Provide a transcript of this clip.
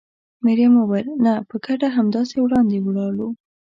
مريم وویل: نه، په ګډه همداسې وړاندې ولاړو.